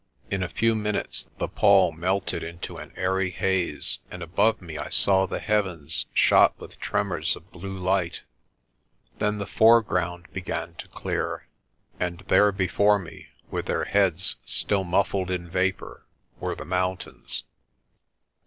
In a few minutes the pall melted into an airy haze, and above me I saw the heavens shot with tremors of blue light. Then the foreground began to clear, and there before me, with their heads still muffled in vapour, were the mountains.